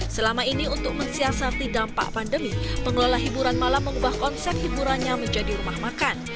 selama ini untuk mensiasati dampak pandemi pengelola hiburan malam mengubah konsep hiburannya menjadi rumah makan